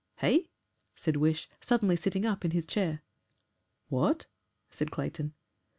"Eh?" said Wish, suddenly sitting up in his chair. "What?" said Clayton.